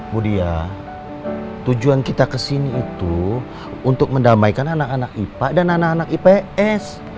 budia tujuan kita kesini itu untuk mendamaikan anak anak ipa dan anak anak ips